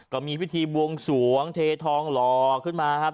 ก็มีพิธีบวงสวงเททองหล่อขึ้นมาครับ